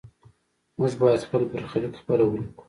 موږ باید خپل برخلیک خپله ولیکو.